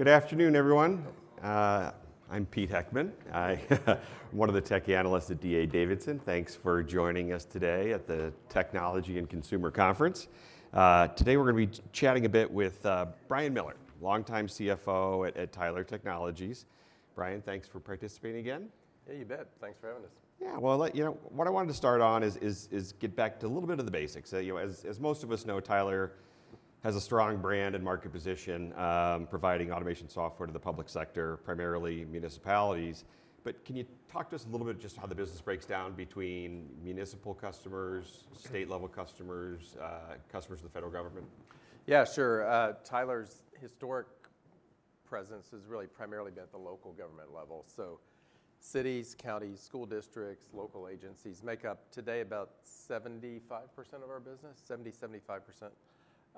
Good afternoon, everyone. I'm Pete Heckmann. I'm one of the techie analysts at D.A. Davidson. Thanks for joining us today at the Technology and Consumer Conference. Today we're going to be chatting a bit with Brian Miller, longtime CFO at Tyler Technologies. Brian, thanks for participating again. Yeah, you bet. Thanks for having us. Yeah, you know what I wanted to start on is get back to a little bit of the basics. As most of us know, Tyler has a strong brand and market position, providing automation software to the public sector, primarily municipalities. Can you talk to us a little bit just how the business breaks down between municipal customers, state-level customers, customers of the federal government? Yeah, sure. Tyler's historic presence has really primarily been at the local government level. Cities, counties, school districts, local agencies make up today about 75% of our business, 70%-75%.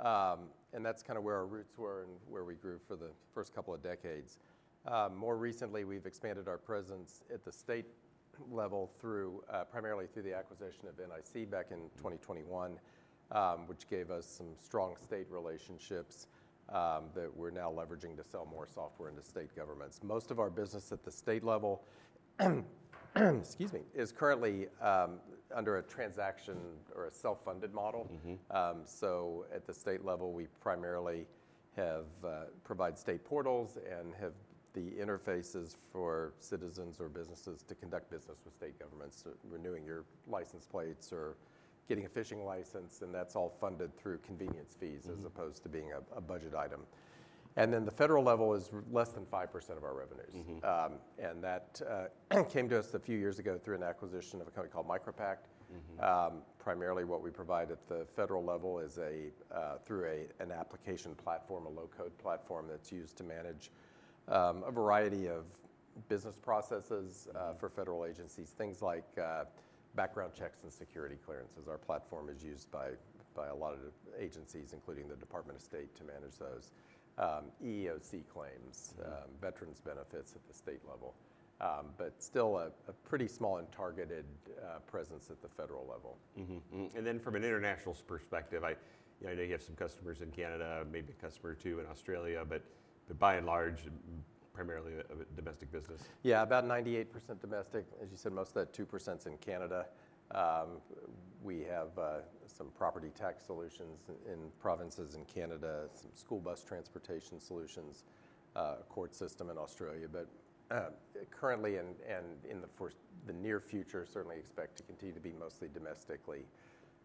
That is kind of where our roots were and where we grew for the first couple of decades. More recently, we have expanded our presence at the state level primarily through the acquisition of NIC back in 2021, which gave us some strong state relationships that we are now leveraging to sell more software into state governments. Most of our business at the state level is currently under a transaction or a self-funded model. At the state level, we primarily provide state portals and have the interfaces for citizens or businesses to conduct business with state governments, renewing your license plates or getting a fishing license. That is all funded through convenience fees as opposed to being a budget item. The federal level is less than 5% of our revenues. That came to us a few years ago through an acquisition of a company called MicroPact. Primarily, what we provide at the federal level is through an application platform, a low-code platform that's used to manage a variety of business processes for federal agencies, things like background checks and security clearances. Our platform is used by a lot of agencies, including the Department of State, to manage those EEOC claims, veterans' benefits at the state level. Still a pretty small and targeted presence at the federal level. From an international perspective, I know you have some customers in Canada, maybe a customer or two in Australia, but by and large, primarily domestic business. Yeah, about 98% domestic. As you said, most of that 2% is in Canada. We have some property tax solutions in provinces in Canada, some school bus transportation solutions, a court system in Australia. Currently and in the near future, certainly expect to continue to be mostly domestically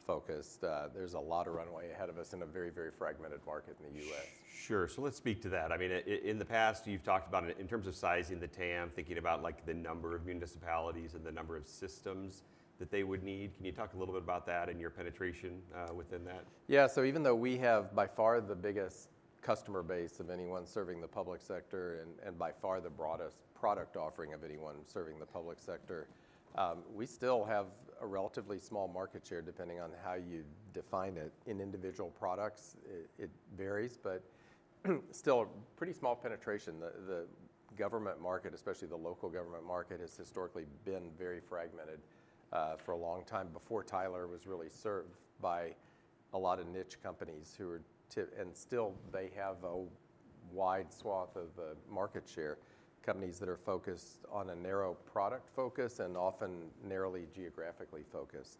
focused. There's a lot of runway ahead of us in a very, very fragmented market in the U.S. Sure. Let's speak to that. I mean, in the past, you've talked about it in terms of sizing the TAM, thinking about the number of municipalities and the number of systems that they would need. Can you talk a little bit about that and your penetration within that? Yeah. Even though we have by far the biggest customer base of anyone serving the public sector and by far the broadest product offering of anyone serving the public sector, we still have a relatively small market share depending on how you define it. In individual products, it varies, but still a pretty small penetration. The government market, especially the local government market, has historically been very fragmented for a long time before Tyler was really served by a lot of niche companies who are, and still they have a wide swath of market share, companies that are focused on a narrow product focus and often narrowly geographically focused.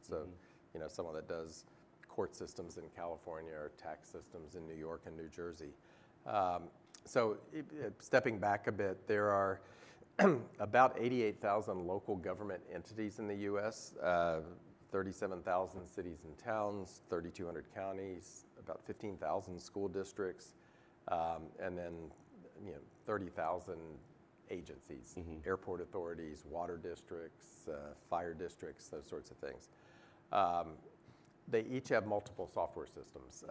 Someone that does court systems in California or tax systems in New York and New Jersey. Stepping back a bit, there are about 88,000 local government entities in the U.S., 37,000 cities and towns, 3,200 counties, about 15,000 school districts, and then 30,000 agencies, airport authorities, water districts, fire districts, those sorts of things. They each have multiple software systems.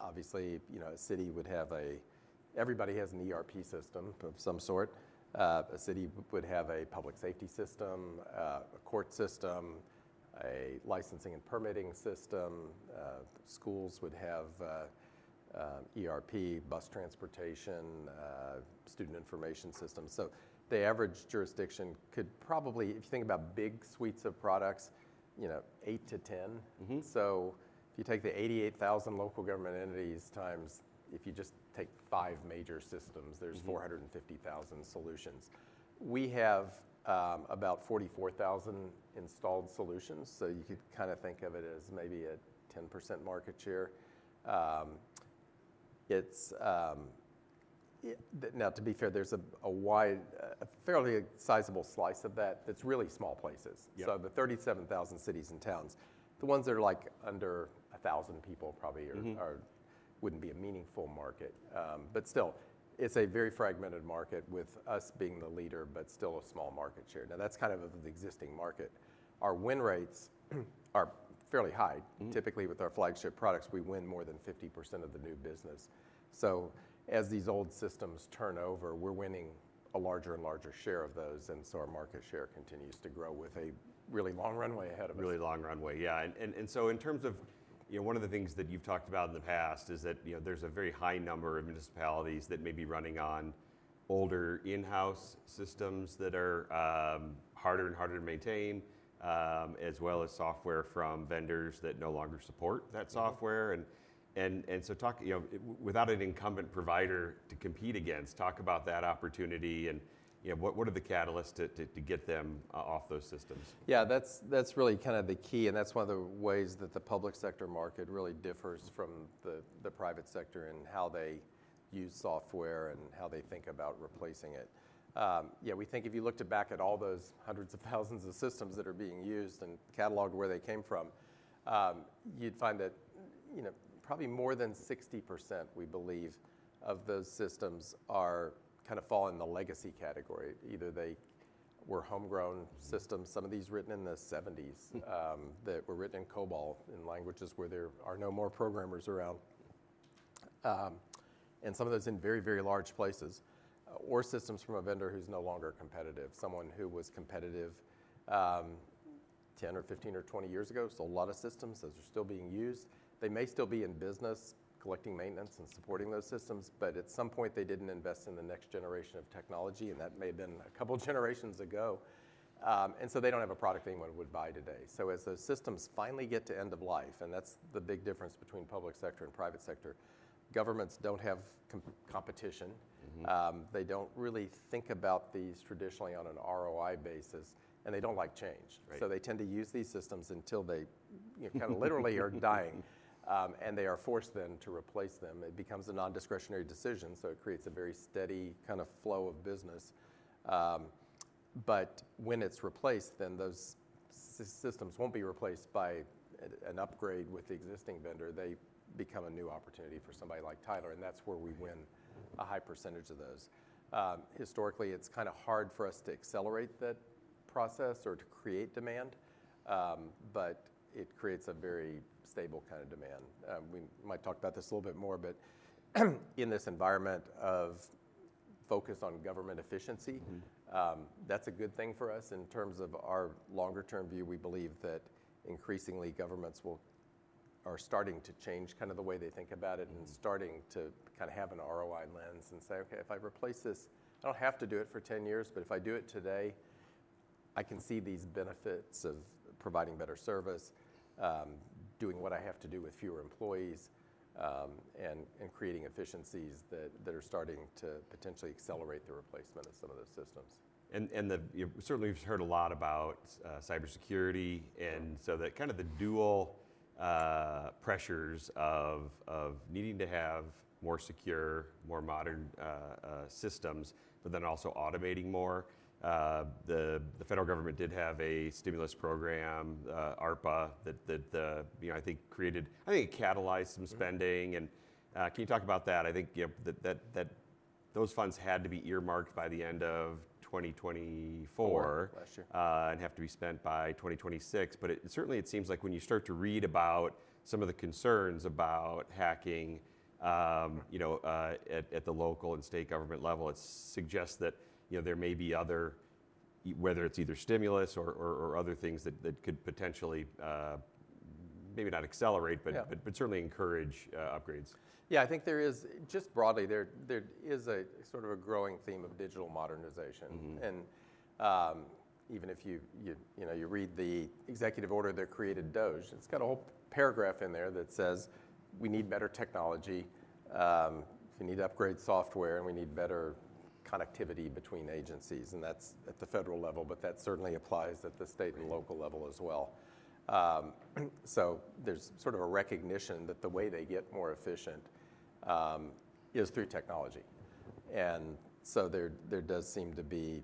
Obviously, a city would have a, everybody has an ERP system of some sort. A city would have a public safety system, a court system, a licensing and permitting system. Schools would have ERP, bus transportation, student information systems. The average jurisdiction could probably, if you think about big suites of products, eight to ten. If you take the 88,000 local government entities times, if you just take five major systems, there's 450,000 solutions. We have about 44,000 installed solutions. You could kind of think of it as maybe a 10% market share. Now, to be fair, there's a fairly sizable slice of that that's really small places. The 37,000 cities and towns, the ones that are like under 1,000 people probably wouldn't be a meaningful market. Still, it's a very fragmented market with us being the leader, but still a small market share. That's kind of the existing market. Our win rates are fairly high. Typically, with our flagship products, we win more than 50% of the new business. As these old systems turn over, we're winning a larger and larger share of those. Our market share continues to grow with a really long runway ahead of us. Really long runway. Yeah. In terms of one of the things that you've talked about in the past is that there's a very high number of municipalities that may be running on older in-house systems that are harder and harder to maintain, as well as software from vendors that no longer support that software. Without an incumbent provider to compete against, talk about that opportunity and what are the catalysts to get them off those systems? Yeah, that's really kind of the key. That's one of the ways that the public sector market really differs from the private sector in how they use software and how they think about replacing it. Yeah, we think if you looked back at all those hundreds of thousands of systems that are being used and catalog where they came from, you'd find that probably more than 60%, we believe, of those systems kind of fall in the legacy category. Either they were homegrown systems, some of these written in the 1970s that were written in COBOL in languages where there are no more programmers around. Some of those in very, very large places or systems from a vendor who's no longer competitive, someone who was competitive 10 or 15 or 20 years ago. A lot of systems, those are still being used. They may still be in business collecting maintenance and supporting those systems, but at some point, they did not invest in the next generation of technology. That may have been a couple of generations ago. They do not have a product anyone would buy today. As those systems finally get to end of life, that is the big difference between public sector and private sector. Governments do not have competition. They do not really think about these traditionally on an ROI basis, and they do not like change. They tend to use these systems until they kind of literally are dying. They are forced then to replace them. It becomes a non-discretionary decision. It creates a very steady kind of flow of business. When it is replaced, those systems will not be replaced by an upgrade with the existing vendor. They become a new opportunity for somebody like Tyler. That's where we win a high percentage of those. Historically, it's kind of hard for us to accelerate that process or to create demand, but it creates a very stable kind of demand. We might talk about this a little bit more, but in this environment of focus on government efficiency, that's a good thing for us. In terms of our longer-term view, we believe that increasingly governments are starting to change kind of the way they think about it and starting to kind of have an ROI lens and say, "Okay, if I replace this, I do not have to do it for 10 years, but if I do it today, I can see these benefits of providing better service, doing what I have to do with fewer employees, and creating efficiencies that are starting to potentially accelerate the replacement of some of those systems. Certainly, we've heard a lot about cybersecurity. That kind of the dual pressures of needing to have more secure, more modern systems, but then also automating more. The federal government did have a stimulus program, ARPA, that I think created, I think it catalyzed some spending. Can you talk about that? I think those funds had to be earmarked by the end of 2024 and have to be spent by 2026. Certainly, it seems like when you start to read about some of the concerns about hacking at the local and state government level, it suggests that there may be other, whether it's either stimulus or other things that could potentially maybe not accelerate, but certainly encourage upgrades. Yeah, I think there is just broadly, there is a sort of a growing theme of digital modernization. Even if you read the executive order that created DOGE, it's got a whole paragraph in there that says, "We need better technology. We need to upgrade software and we need better connectivity between agencies." That is at the federal level, but that certainly applies at the state and local level as well. There is sort of a recognition that the way they get more efficient is through technology. There does seem to be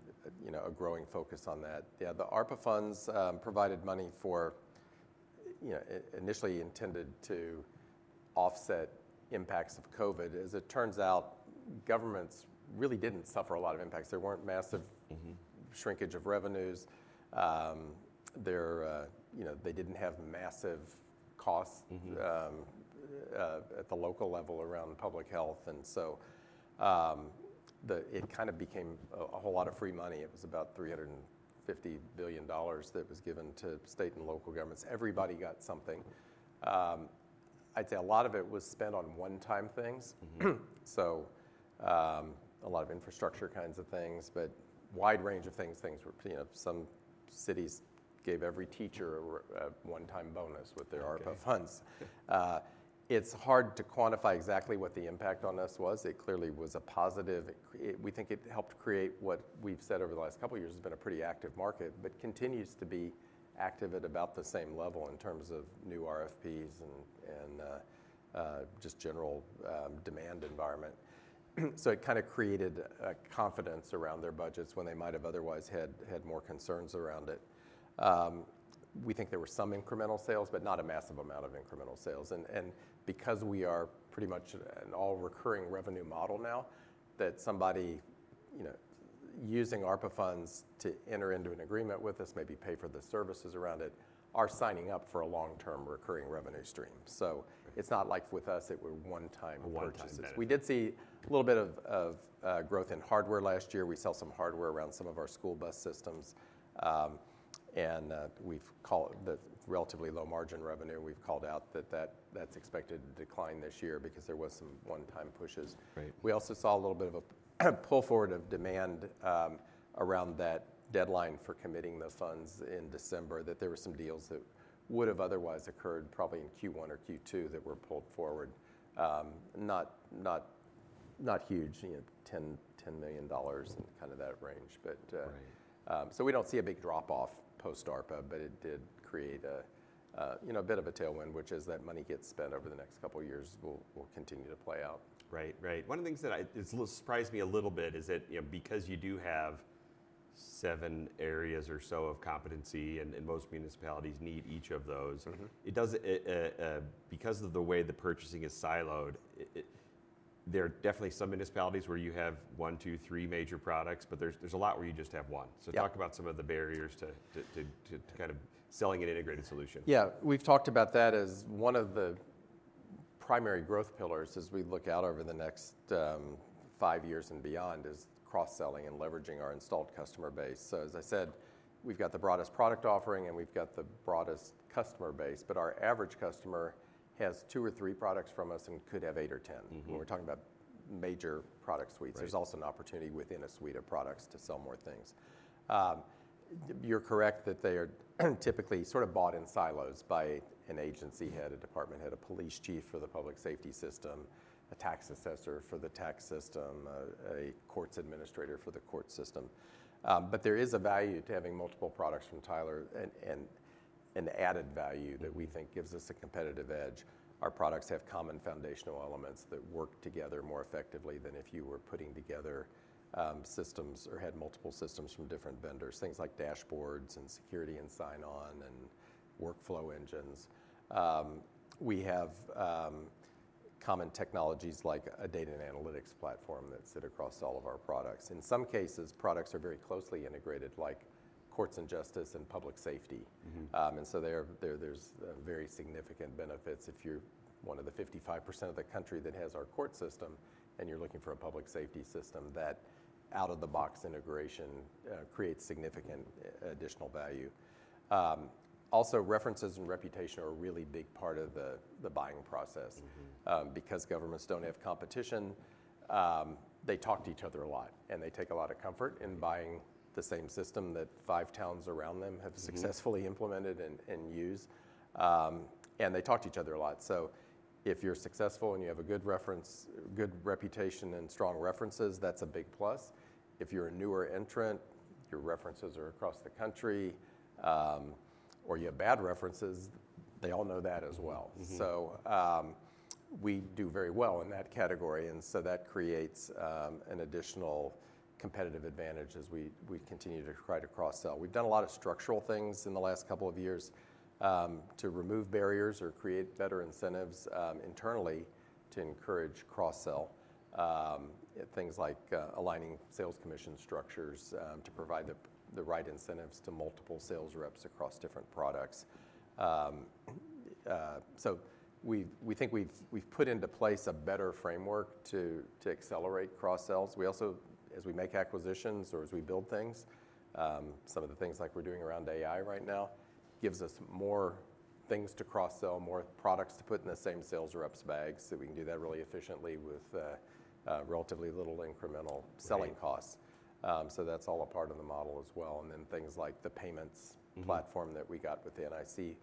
a growing focus on that. Yeah, the ARPA funds provided money for initially intended to offset impacts of COVID. As it turns out, governments really didn't suffer a lot of impacts. There weren't massive shrinkage of revenues. They didn't have massive costs at the local level around public health. It kind of became a whole lot of free money. It was about $350 billion that was given to state and local governments. Everybody got something. I'd say a lot of it was spent on one-time things. A lot of infrastructure kinds of things, but wide range of things. Some cities gave every teacher a one-time bonus with their ARPA funds. It's hard to quantify exactly what the impact on us was. It clearly was a positive. We think it helped create what we've said over the last couple of years has been a pretty active market, but continues to be active at about the same level in terms of new RFPs and just general demand environment. It kind of created confidence around their budgets when they might have otherwise had more concerns around it. We think there were some incremental sales, but not a massive amount of incremental sales. Because we are pretty much an all-recurring revenue model now, that somebody using ARPA funds to enter into an agreement with us, maybe pay for the services around it, are signing up for a long-term recurring revenue stream. It is not like with us it were one-time purchases. We did see a little bit of growth in hardware last year. We sell some hardware around some of our school bus systems. We have called the relatively low margin revenue, we have called out that that is expected to decline this year because there were some one-time pushes. We also saw a little bit of a pull forward of demand around that deadline for committing the funds in December, that there were some deals that would have otherwise occurred probably in Q1 or Q2 that were pulled forward, not huge, $10 million and kind of that range. We do not see a big drop off post-ARPA, but it did create a bit of a tailwind, which is that money gets spent over the next couple of years will continue to play out. Right, right. One of the things that surprised me a little bit is that because you do have seven areas or so of competency and most municipalities need each of those, because of the way the purchasing is siloed, there are definitely some municipalities where you have one, two, three major products, but there's a lot where you just have one. Talk about some of the barriers to kind of selling an integrated solution. Yeah, we've talked about that as one of the primary growth pillars as we look out over the next five years and beyond is cross-selling and leveraging our installed customer base. As I said, we've got the broadest product offering and we've got the broadest customer base, but our average customer has two or three products from us and could have eight or ten. When we're talking about major product suites, there's also an opportunity within a suite of products to sell more things. You're correct that they are typically sort of bought in silos by an agency head, a department head, a police chief for the public safety system, a tax assessor for the tax system, a courts administrator for the court system. There is a value to having multiple products from Tyler and an added value that we think gives us a competitive edge. Our products have common foundational elements that work together more effectively than if you were putting together systems or had multiple systems from different vendors, things like dashboards and security and sign-on and workflow engines. We have common technologies like a data and analytics platform that sit across all of our products. In some cases, products are very closely integrated like courts and justice and public safety. There are very significant benefits. If you're one of the 55% of the country that has our court system and you're looking for a public safety system, that out-of-the-box integration creates significant additional value. Also, references and reputation are a really big part of the buying process. Because governments don't have competition, they talk to each other a lot and they take a lot of comfort in buying the same system that five towns around them have successfully implemented and use. They talk to each other a lot. If you're successful and you have a good reputation and strong references, that's a big plus. If you're a newer entrant, your references are across the country, or you have bad references, they all know that as well. We do very well in that category. That creates an additional competitive advantage as we continue to try to cross-sell. We've done a lot of structural things in the last couple of years to remove barriers or create better incentives internally to encourage cross-sell, things like aligning sales commission structures to provide the right incentives to multiple sales reps across different products. We think we've put into place a better framework to accelerate cross-sells. We also, as we make acquisitions or as we build things, some of the things like we're doing around AI right now gives us more things to cross-sell, more products to put in the same sales reps' bags so we can do that really efficiently with relatively little incremental selling costs. That is all a part of the model as well. Then things like the payments platform that we got with the NIC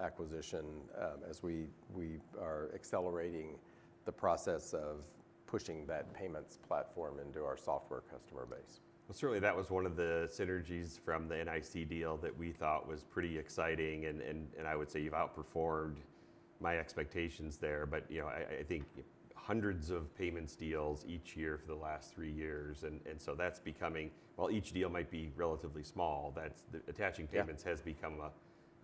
acquisition as we are accelerating the process of pushing that payments platform into our software customer base. Certainly that was one of the synergies from the NIC deal that we thought was pretty exciting. I would say you've outperformed my expectations there, but I think hundreds of payments deals each year for the last three years. That is becoming, while each deal might be relatively small, that attaching payments has become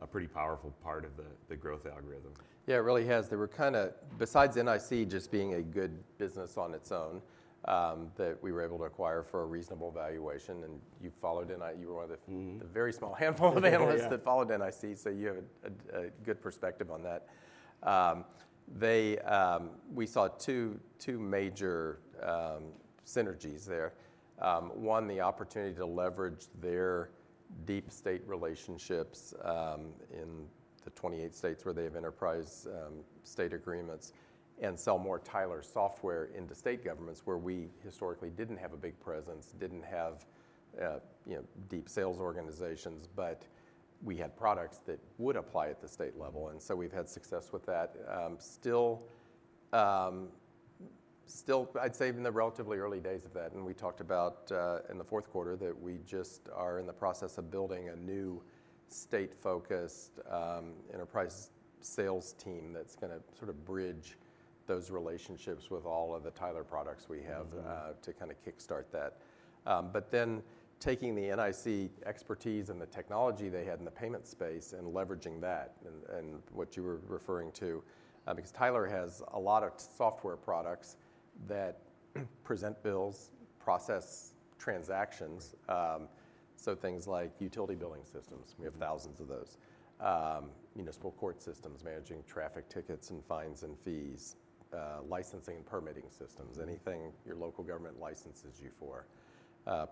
a pretty powerful part of the growth algorithm. Yeah, it really has. There were kind of, besides NIC just being a good business on its own, that we were able to acquire for a reasonable valuation. And you followed NIC, you were one of the very small handful of analysts that followed NIC, so you have a good perspective on that. We saw two major synergies there. One, the opportunity to leverage their deep state relationships in the 28 states where they have enterprise state agreements and sell more Tyler software into state governments where we historically did not have a big presence, did not have deep sales organizations, but we had products that would apply at the state level. We have had success with that. Still, I'd say in the relatively early days of that, and we talked about in the fourth quarter that we just are in the process of building a new state-focused enterprise sales team that's going to sort of bridge those relationships with all of the Tyler products we have to kind of kickstart that. Taking the NIC expertise and the technology they had in the payment space and leveraging that and what you were referring to, because Tyler has a lot of software products that present bills, process transactions. Things like utility billing systems, we have thousands of those. Municipal court systems managing traffic tickets and fines and fees, licensing and permitting systems, anything your local government licenses you for,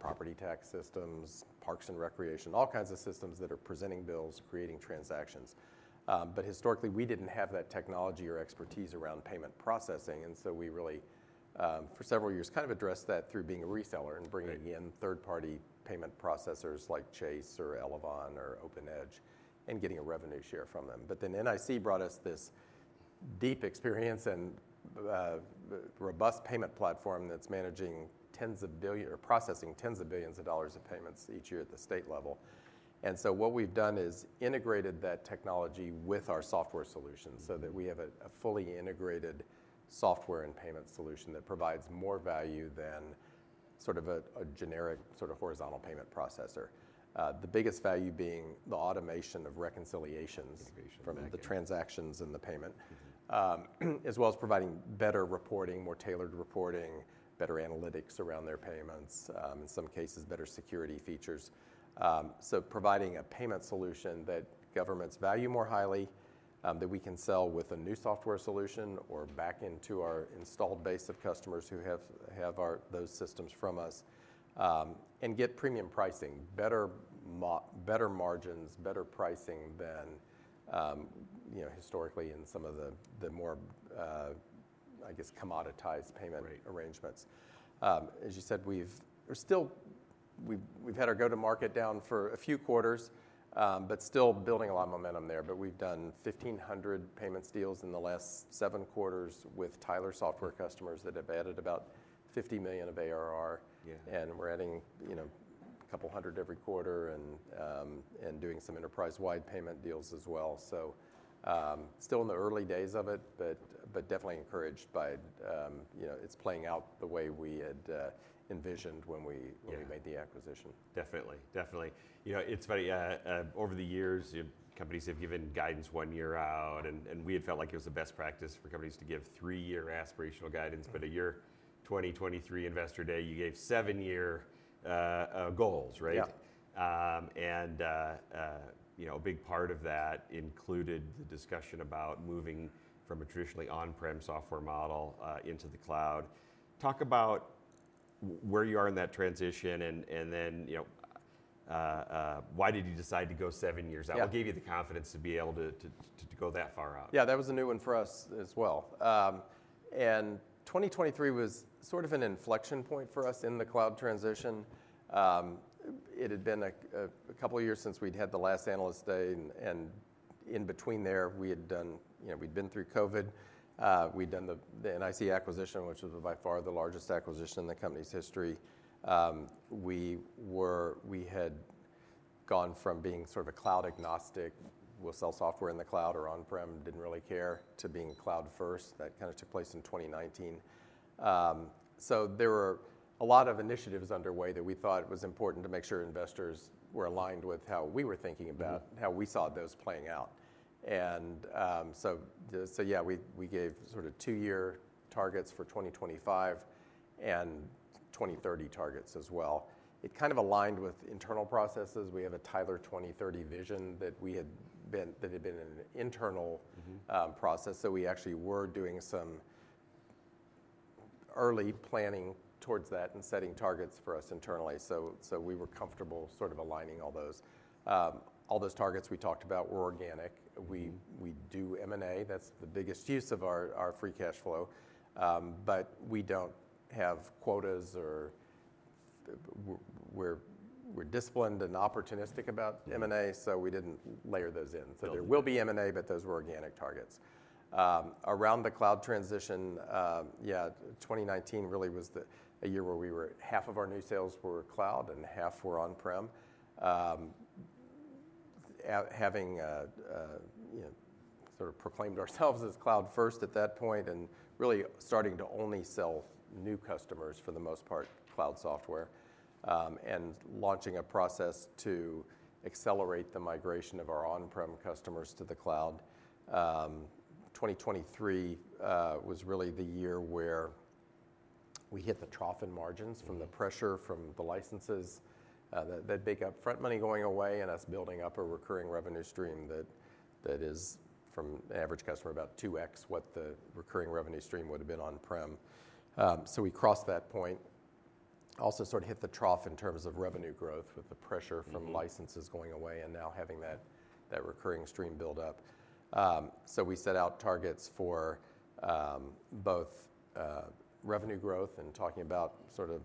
property tax systems, parks and recreation, all kinds of systems that are presenting bills, creating transactions. Historically, we did not have that technology or expertise around payment processing. We really, for several years, kind of addressed that through being a reseller and bringing in third-party payment processors like Chase or Elavon or OpenEdge and getting a revenue share from them. NIC brought us this deep experience and robust payment platform that is managing or processing tens of billions of dollars of payments each year at the state level. What we have done is integrated that technology with our software solution so that we have a fully integrated software and payment solution that provides more value than sort of a generic horizontal payment processor. The biggest value is the automation of reconciliations from the transactions and the payment, as well as providing better reporting, more tailored reporting, better analytics around their payments, and in some cases, better security features. Providing a payment solution that governments value more highly that we can sell with a new software solution or back into our installed base of customers who have those systems from us and get premium pricing, better margins, better pricing than historically in some of the more, I guess, commoditized payment arrangements. As you said, we've had our go-to-market down for a few quarters, but still building a lot of momentum there. We've done 1,500 payments deals in the last seven quarters with Tyler software customers that have added about $50 million of ARR. We're adding a couple hundred every quarter and doing some enterprise-wide payment deals as well. Still in the early days of it, but definitely encouraged by it's playing out the way we had envisioned when we made the acquisition. Definitely, definitely. Over the years, companies have given guidance one year out, and we had felt like it was the best practice for companies to give three-year aspirational guidance. At your 2023 Investor Day, you gave seven-year goals, right? A big part of that included the discussion about moving from a traditionally on-prem software model into the cloud. Talk about where you are in that transition and then why did you decide to go seven years out? What gave you the confidence to be able to go that far out? Yeah, that was a new one for us as well. In 2023, it was sort of an inflection point for us in the cloud transition. It had been a couple of years since we'd had the last analyst day, and in between there, we had been through COVID. We'd done the NIC acquisition, which was by far the largest acquisition in the company's history. We had gone from being sort of a cloud-agnostic, we'll sell software in the cloud or on-prem, didn't really care, to being cloud-first. That kind of took place in 2019. There were a lot of initiatives underway that we thought it was important to make sure investors were aligned with how we were thinking about how we saw those playing out. Yeah, we gave sort of two-year targets for 2025 and 2030 targets as well. It kind of aligned with internal processes. We have a Tyler 2030 vision that had been an internal process. So we actually were doing some early planning towards that and setting targets for us internally. So we were comfortable sort of aligning all those. All those targets we talked about were organic. We do M&A. That's the biggest use of our free cash flow. We do not have quotas or we are disciplined and opportunistic about M&A, so we did not layer those in. There will be M&A, but those were organic targets. Around the cloud transition, yeah, 2019 really was a year where half of our new sales were cloud and half were on-prem, having sort of proclaimed ourselves as cloud-first at that point and really starting to only sell new customers, for the most part, cloud software, and launching a process to accelerate the migration of our on-prem customers to the cloud. 2023 was really the year where we hit the trough in margins from the pressure from the licenses, that big upfront money going away and us building up a recurring revenue stream that is from an average customer about 2x what the recurring revenue stream would have been on-prem. We crossed that point, also sort of hit the trough in terms of revenue growth with the pressure from licenses going away and now having that recurring stream build up. We set out targets for both revenue growth and talking about sort of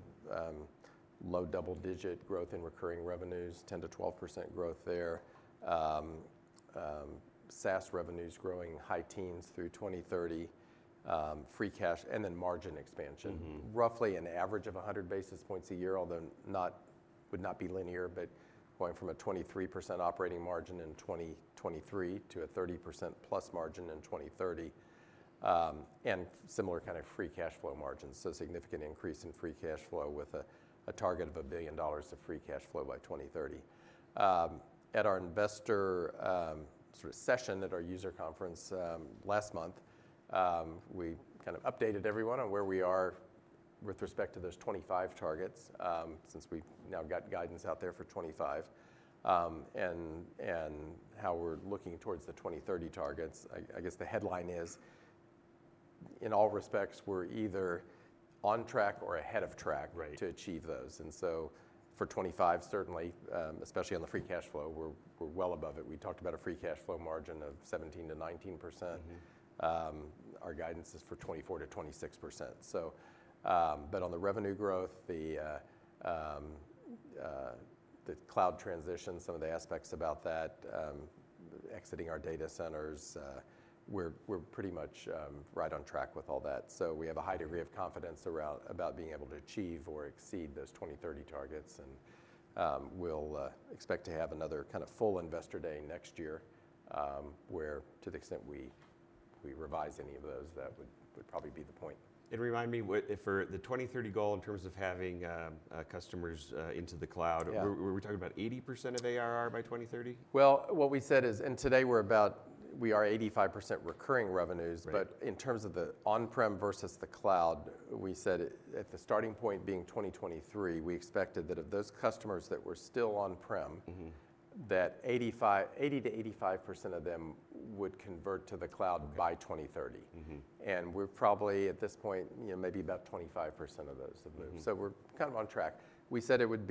low-double digit growth in recurring revenues, 10%-12% growth there, SaaS revenues growing high teens through 2030, free cash, and then margin expansion. Roughly an average of 100 basis points a year, although would not be linear, but going from a 23% operating margin in 2023 to a 30% plus margin in 2030 and similar kind of free cash flow margins. Significant increase in free cash flow with a target of $1 billion of free cash flow by 2030. At our investor sort of session at our user conference last month, we kind of updated everyone on where we are with respect to those 2025 targets since we've now got guidance out there for 2025 and how we're looking towards the 2030 targets. I guess the headline is, in all respects, we're either on track or ahead of track to achieve those. For 2025, certainly, especially on the free cash flow, we're well above it. We talked about a free cash flow margin of 17%-19%. Our guidance is for 24%-26%. On the revenue growth, the cloud transition, some of the aspects about that, exiting our data centers, we're pretty much right on track with all that. We have a high degree of confidence about being able to achieve or exceed those 2030 targets. We'll expect to have another kind of full Investor Day next year where, to the extent we revise any of those, that would probably be the point. Remind me, for the 2030 goal in terms of having customers into the cloud, were we talking about 80% of ARR by 2030? What we said is, and today we're about, we are 85% recurring revenues. In terms of the on-prem versus the cloud, we said at the starting point being 2023, we expected that of those customers that were still on-prem, that 80%-85% of them would convert to the cloud by 2030. We're probably at this point, maybe about 25% of those have moved. We're kind of on track. We said it would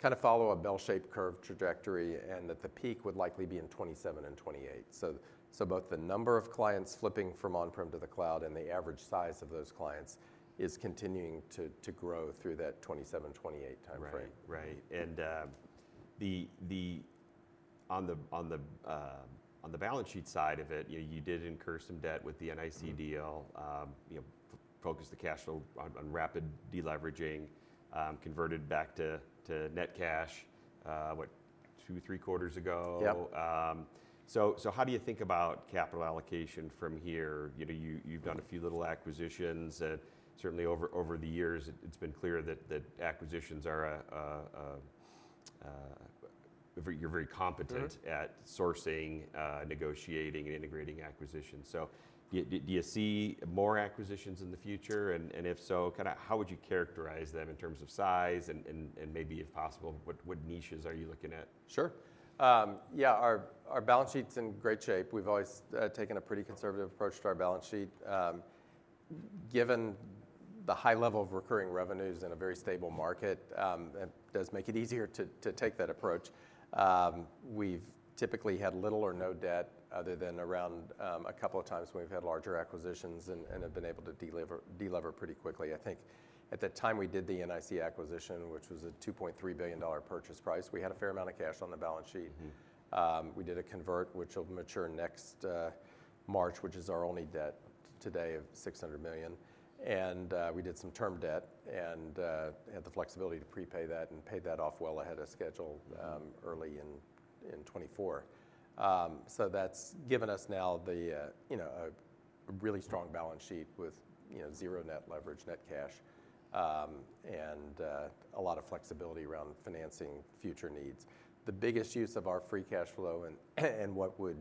kind of follow a bell-shaped curve trajectory and that the peak would likely be in 2027 and 2028. Both the number of clients flipping from on-prem to the cloud and the average size of those clients is continuing to grow through that 2027, 2028 timeframe. Right, right. On the balance sheet side of it, you did incur some debt with the NIC deal, focused the cash flow on rapid deleveraging, converted back to net cash, what, two, three quarters ago? Yeah. How do you think about capital allocation from here? You've done a few little acquisitions. Certainly over the years, it's been clear that acquisitions are very competent at sourcing, negotiating, and integrating acquisitions. Do you see more acquisitions in the future? If so, kind of how would you characterize them in terms of size? Maybe if possible, what niches are you looking at? Sure. Yeah, our balance sheet's in great shape. We've always taken a pretty conservative approach to our balance sheet. Given the high level of recurring revenues in a very stable market, it does make it easier to take that approach. We've typically had little or no debt other than around a couple of times when we've had larger acquisitions and have been able to deliver pretty quickly. I think at the time we did the NIC acquisition, which was a $2.3 billion purchase price, we had a fair amount of cash on the balance sheet. We did a convert, which will mature next March, which is our only debt today of $600 million. We did some term debt and had the flexibility to prepay that and paid that off well ahead of schedule early in 2024. That's given us now a really strong balance sheet with zero net leverage, net cash, and a lot of flexibility around financing future needs. The biggest use of our free cash flow and what would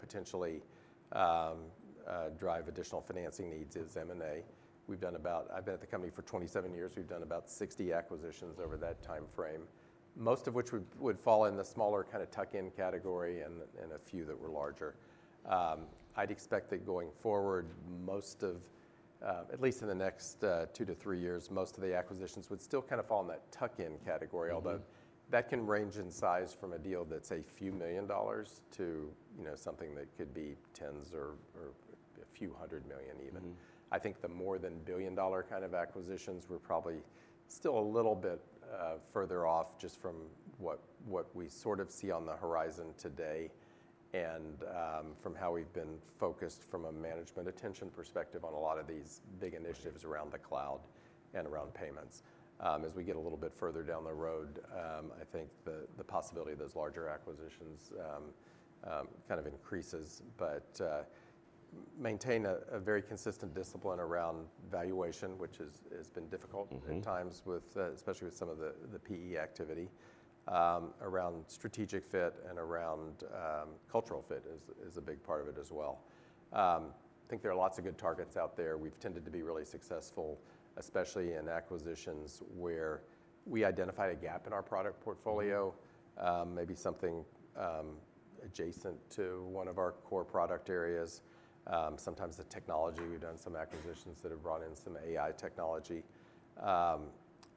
potentially drive additional financing needs is M&A. I've been at the company for 27 years. We've done about 60 acquisitions over that timeframe, most of which would fall in the smaller kind of tuck-in category and a few that were larger. I'd expect that going forward, at least in the next two to three years, most of the acquisitions would still kind of fall in that tuck-in category, although that can range in size from a deal that's a few million dollars to something that could be tens or a few hundred million even. I think the more than $1 billion kind of acquisitions were probably still a little bit further off just from what we sort of see on the horizon today and from how we've been focused from a management attention perspective on a lot of these big initiatives around the cloud and around payments. As we get a little bit further down the road, I think the possibility of those larger acquisitions kind of increases, but maintain a very consistent discipline around valuation, which has been difficult at times, especially with some of the PE activity. Around strategic fit and around cultural fit is a big part of it as well. I think there are lots of good targets out there. We've tended to be really successful, especially in acquisitions where we identified a gap in our product portfolio, maybe something adjacent to one of our core product areas. Sometimes the technology, we've done some acquisitions that have brought in some AI technology.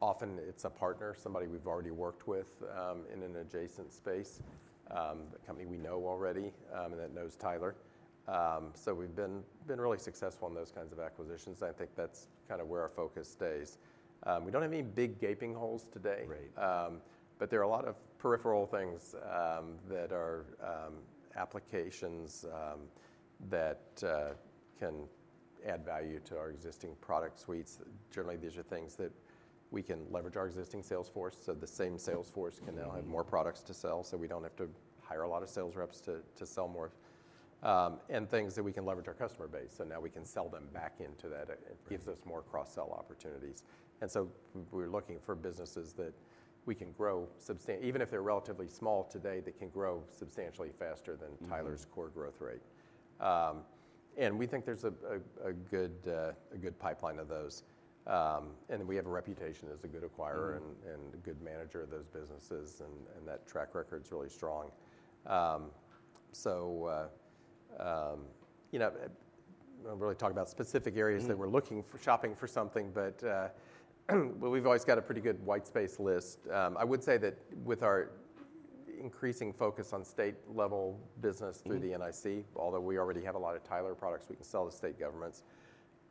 Often it's a partner, somebody we've already worked with in an adjacent space, a company we know already and that knows Tyler. We've been really successful in those kinds of acquisitions. I think that's kind of where our focus stays. We don't have any big gaping holes today, but there are a lot of peripheral things that are applications that can add value to our existing product suites. Generally, these are things that we can leverage our existing sales force. The same sales force can now have more products to sell. We don't have to hire a lot of sales reps to sell more and things that we can leverage our customer base. Now we can sell them back into that. It gives us more cross-sell opportunities. We're looking for businesses that we can grow, even if they're relatively small today, that can grow substantially faster than Tyler's core growth rate. We think there's a good pipeline of those. We have a reputation as a good acquirer and good manager of those businesses, and that track record's really strong. I'm really talking about specific areas that we're looking for, shopping for something, but we've always got a pretty good white space list. I would say that with our increasing focus on state-level business through the NIC, although we already have a lot of Tyler products, we can sell to state governments.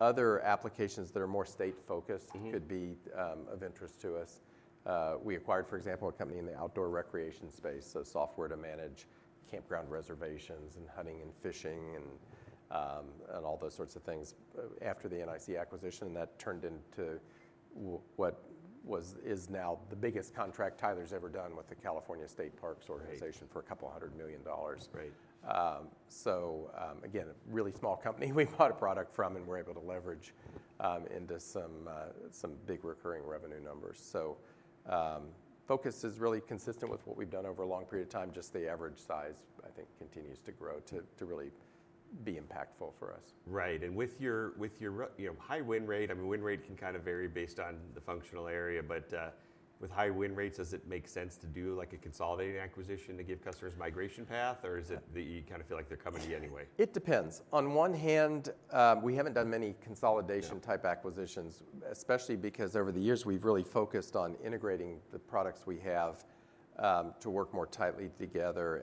Other applications that are more state-focused could be of interest to us. We acquired, for example, a company in the outdoor recreation space, so software to manage campground reservations and hunting and fishing and all those sorts of things after the NIC acquisition. That turned into what is now the biggest contract Tyler's ever done with the California State Parks organization for a couple hundred million dollars. Again, a really small company we bought a product from and were able to leverage into some big recurring revenue numbers. Focus is really consistent with what we've done over a long period of time. Just the average size, I think, continues to grow to really be impactful for us. Right. And with your high win rate, I mean, win rate can kind of vary based on the functional area, but with high win rates, does it make sense to do like a consolidating acquisition to give customers a migration path, or is it that you kind of feel like they're coming to you anyway? It depends. On one hand, we haven't done many consolidation-type acquisitions, especially because over the years we've really focused on integrating the products we have to work more tightly together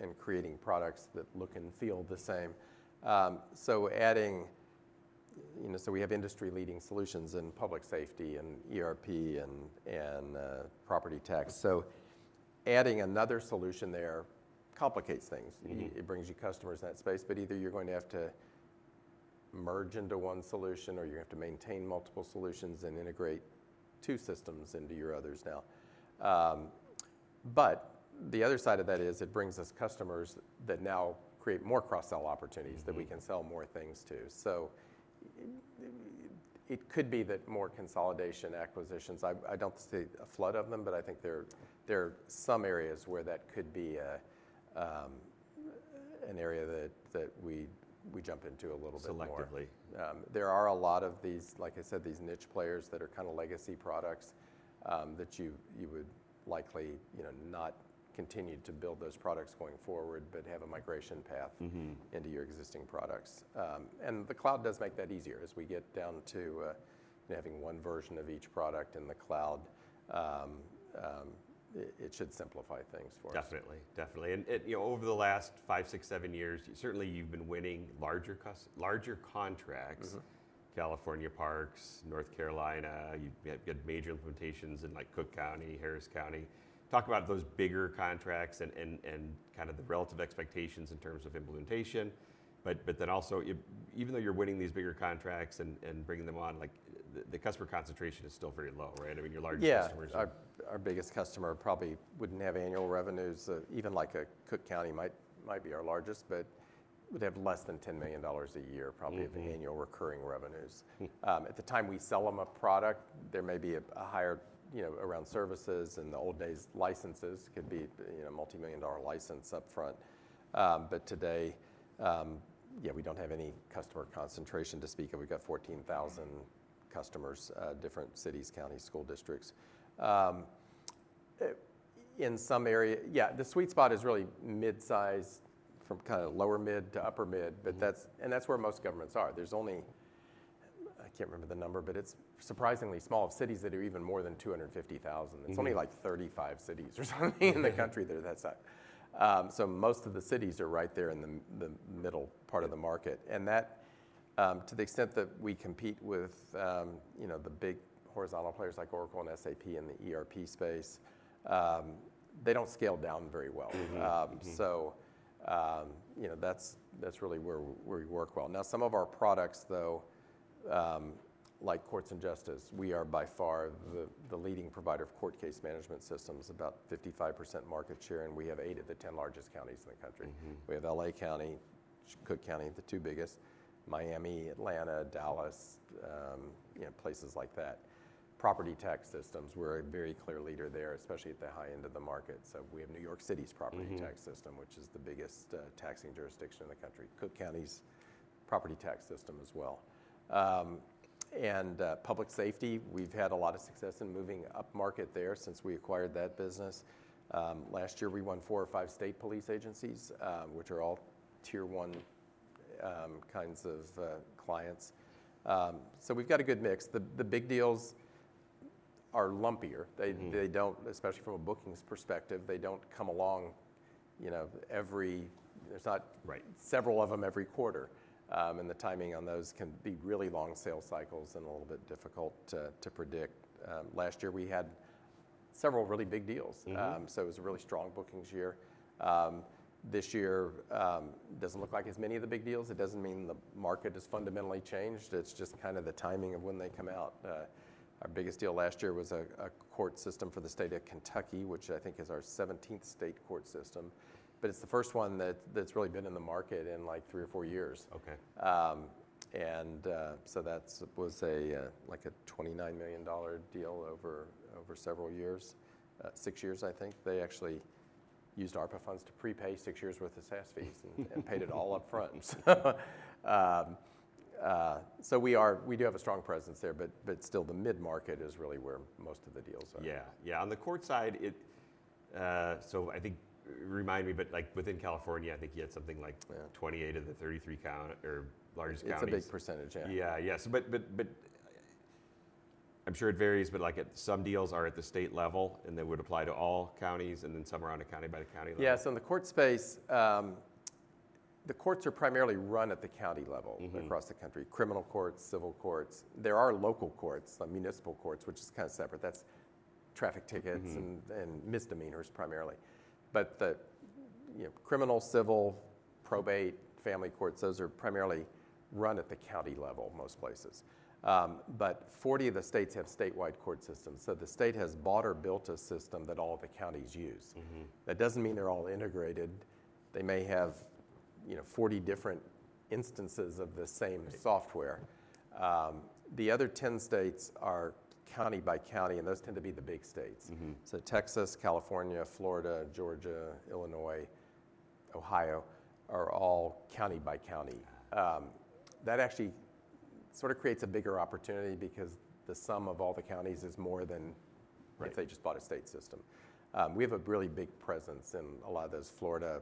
and creating products that look and feel the same. Adding, so we have industry-leading solutions in public safety and ERP and property tax. Adding another solution there complicates things. It brings you customers in that space, but either you're going to have to merge into one solution or you're going to have to maintain multiple solutions and integrate two systems into your others now. The other side of that is it brings us customers that now create more cross-sell opportunities that we can sell more things to. It could be that more consolidation acquisitions, I don't see a flood of them, but I think there are some areas where that could be an area that we jump into a little bit more. Selectively. There are a lot of these, like I said, these niche players that are kind of legacy products that you would likely not continue to build those products going forward, but have a migration path into your existing products. The cloud does make that easier as we get down to having one version of each product in the cloud. It should simplify things for us. Definitely, definitely. Over the last five, six, seven years, certainly you've been winning larger contracts, California Parks, North Carolina. You've had major implementations in Cook County, Harris County. Talk about those bigger contracts and kind of the relative expectations in terms of implementation. Also, even though you're winning these bigger contracts and bringing them on, the customer concentration is still very low, right? I mean, your largest customers. Yeah. Our biggest customer probably would not have annual revenues. Even like a Cook County might be our largest, but would have less than $10 million a year probably of annual recurring revenues. At the time we sell them a product, there may be a higher amount around services in the old days. Licenses could be a multi-million dollar license upfront. Today, yeah, we do not have any customer concentration to speak of. We have 14,000 customers, different cities, counties, school districts. In some area, yeah, the sweet spot is really mid-size from kind of lower mid to upper mid. That is where most governments are. There is only, I cannot remember the number, but it is surprisingly small of cities that are even more than 250,000. It is only like 35 cities or something in the country that are that size. Most of the cities are right there in the middle part of the market. To the extent that we compete with the big horizontal players like Oracle and SAP in the ERP space, they do not scale down very well. That is really where we work well. Now, some of our products, though, like Courts & Justice, we are by far the leading provider of court case management systems, about 55% market share, and we have eight of the 10 largest counties in the country. We have LA County, Cook County, the two biggest, Miami, Atlanta, Dallas, places like that. Property tax systems, we are a very clear leader there, especially at the high end of the market. We have New York City's property tax system, which is the biggest taxing jurisdiction in the country. Cook County's property tax system as well. Public safety, we've had a lot of success in moving up market there since we acquired that business. Last year, we won four or five state police agencies, which are all tier one kinds of clients. We've got a good mix. The big deals are lumpier. They don't, especially from a bookings perspective, they don't come along every, there's not several of them every quarter. The timing on those can be really long sales cycles and a little bit difficult to predict. Last year, we had several really big deals. It was a really strong bookings year. This year doesn't look like as many of the big deals. It doesn't mean the market has fundamentally changed. It's just kind of the timing of when they come out. Our biggest deal last year was a court system for the state of Kentucky, which I think is our 17th state court system. It is the first one that has really been in the market in like three or four years. That was like a $29 million deal over several years, six years, I think. They actually used ARPA funds to prepay six years' worth of tax fees and paid it all upfront. We do have a strong presence there, but still the mid-market is really where most of the deals are. Yeah, yeah. On the court side, so I think remind me, but within California, I think you had something like 28 of the 33 largest counties. That's a big percentage, yeah. Yeah, yeah. I'm sure it varies, but some deals are at the state level and they would apply to all counties, and then some are on a county-by-county level. Yeah. So in the court space, the courts are primarily run at the county level across the country, criminal courts, civil courts. There are local courts, municipal courts, which is kind of separate. That's traffic tickets and misdemeanors primarily. But the criminal, civil, probate, family courts, those are primarily run at the county level most places. But 40 of the states have statewide court systems. So the state has bought or built a system that all of the counties use. That doesn't mean they're all integrated. They may have 40 different instances of the same software. The other 10 states are county-by-county, and those tend to be the big states. So Texas, California, Florida, Georgia, Illinois, Ohio are all county-by-county. That actually sort of creates a bigger opportunity because the sum of all the counties is more than if they just bought a state system. We have a really big presence in a lot of those. Florida,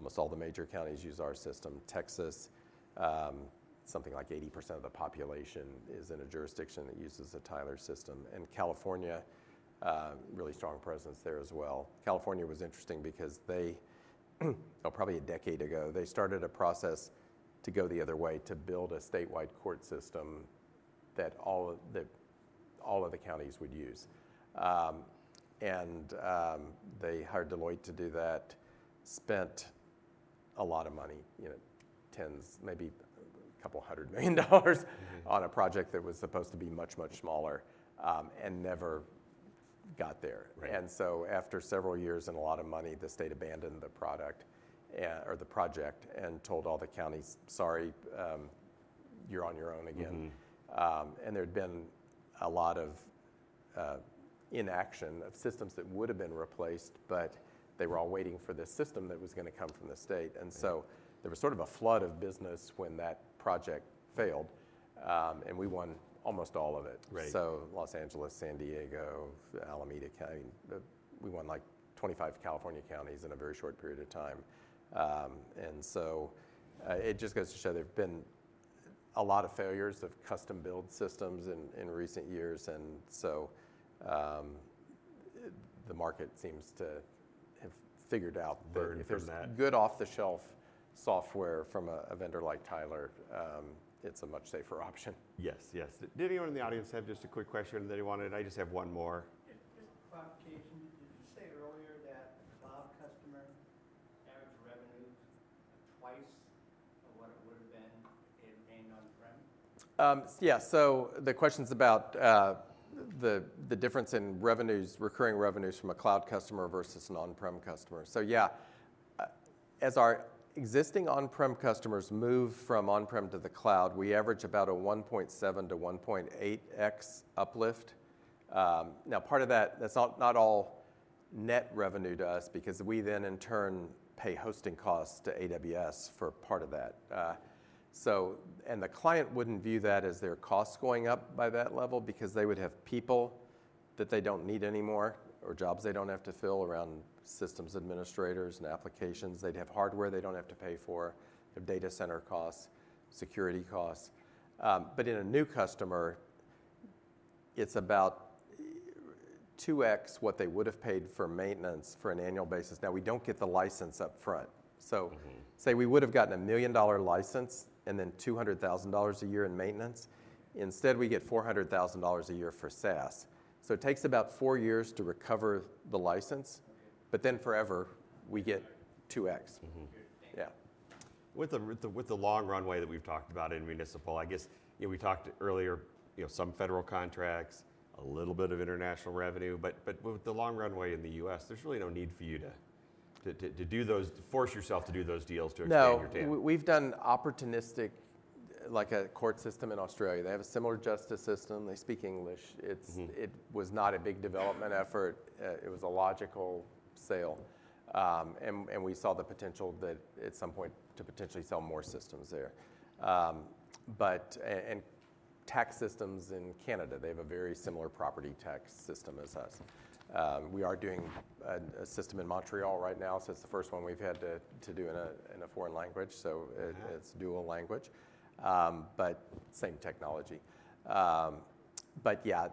almost all the major counties use our system. Texas, something like 80% of the population is in a jurisdiction that uses a Tyler system. California, really strong presence there as well. California was interesting because they, oh, probably a decade ago, they started a process to go the other way to build a statewide court system that all of the counties would use. They hired Deloitte to do that, spent a lot of money, tens, maybe a couple hundred million dollars on a project that was supposed to be much, much smaller and never got there. After several years and a lot of money, the state abandoned the product or the project and told all the counties, "Sorry, you're on your own again." There had been a lot of inaction of systems that would have been replaced, but they were all waiting for this system that was going to come from the state. There was sort of a flood of business when that project failed, and we won almost all of it. Los Angeles, San Diego, Alameda County, we won like 25 California counties in a very short period of time. It just goes to show there've been a lot of failures of custom-build systems in recent years. The market seems to have figured out that if it's good off-the-shelf software from a vendor like Tyler, it's a much safer option. Yes, yes. Did anyone in the audience have just a quick question that they wanted? I just have one more. Just clarification. Did you say earlier that a cloud customer's average revenues are twice of what it would have been if it had remained on-prem? Yeah. So the question's about the difference in revenues, recurring revenues from a cloud customer versus an on-prem customer. Yeah, as our existing on-prem customers move from on-prem to the cloud, we average about a 1.7-1.8x uplift. Now, part of that, that's not all net revenue to us because we then in turn pay hosting costs to AWS for part of that. The client wouldn't view that as their costs going up by that level because they would have people that they don't need anymore or jobs they don't have to fill around systems administrators and applications. They'd have hardware they don't have to pay for, their data center costs, security costs. In a new customer, it's about 2x what they would have paid for maintenance on an annual basis. We don't get the license upfront. Say we would have gotten a $1 million license and then $200,000 a year in maintenance. Instead, we get $400,000 a year for SaaS. It takes about four years to recover the license, but then forever, we get 2x. Yeah. With the long runway that we've talked about in municipal, I guess we talked earlier, some federal contracts, a little bit of international revenue. With the long runway in the U.S., there's really no need for you to do those, force yourself to do those deals to expand your tail. No. We've done opportunistic, like a court system in Australia. They have a similar justice system. They speak English. It was not a big development effort. It was a logical sale. We saw the potential that at some point to potentially sell more systems there. Tax systems in Canada, they have a very similar property tax system as us. We are doing a system in Montreal right now. It is the first one we've had to do in a foreign language. It is dual language, but same technology. Yeah,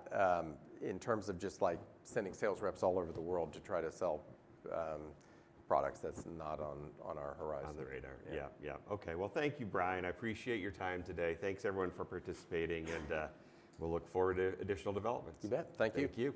in terms of just like sending sales reps all over the world to try to sell products, that's not on our horizon. On the radar. Yeah, yeah. Okay. Thank you, Brian. I appreciate your time today. Thanks, everyone, for participating, and we'll look forward to additional developments. You bet. Thank you. Thank you.